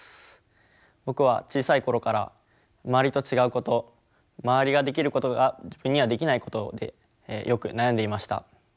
僕は小さい頃から周りと違うこと周りができることが自分にはできないことでよく悩んでいました。